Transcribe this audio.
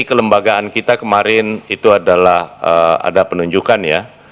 kelembagaan kita kemarin itu adalah ada penunjukan ya